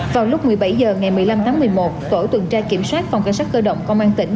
vào lúc một mươi bảy h ngày một mươi năm tháng một mươi một tổ tuần tra kiểm soát phòng cảnh sát cơ động công an tỉnh